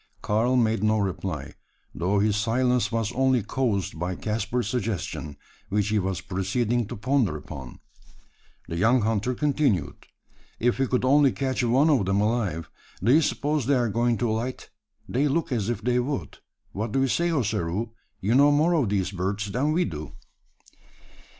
Karl made no reply; though his silence was only caused by Caspar's suggestion which he was proceeding to ponder upon. The young hunter continued: "If we could only catch one of them alive! Do you suppose they are going to alight? They look as if they would. What do you say, Ossaroo? You know more of these birds than we do."